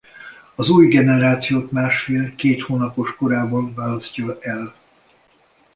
Az új generációt másfél-két hónapos korában választja el.